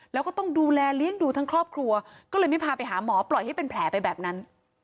แล้วก็ต้องดูแลเลี้ยงดูทั้งครอบครัวก็เลยไม่พาไปหาหมอปล่อยให้เป็นแผลไปแบบนั้น